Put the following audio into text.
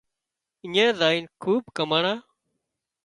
اڃين زائينَ کوٻ ڪماڻا